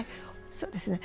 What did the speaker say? そうですね。